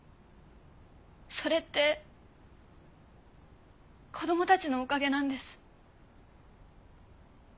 それって子供たちのおかげなんです。